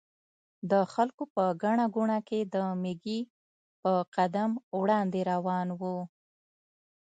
د خلکو په ګڼه ګوڼه کې د مېږي په قدم وړاندې روان و.